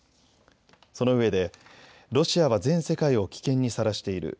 その上で、ロシアは全世界を危険にさらしている。